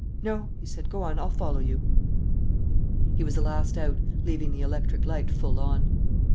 "No," he said, "go on; I'll follow you." He was the last out, leaving the electric light full on.